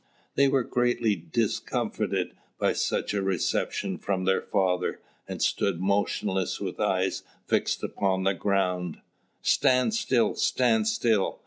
They were greatly discomfited by such a reception from their father, and stood motionless with eyes fixed upon the ground. "Stand still, stand still!